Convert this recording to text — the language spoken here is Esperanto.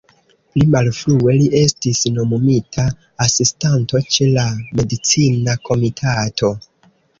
Pli malfrue, li estis nomumita Asistanto ĉe la Medicina Komitato.